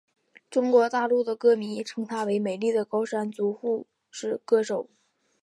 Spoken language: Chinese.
中国大陆的歌迷称她为美丽的高山族护士歌手。